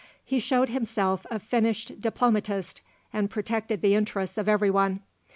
He showed himself a finished diplomatist, and protected the interests of every one.